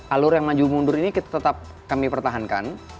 alur yang maju mundur ini kita tetap kami pertahankan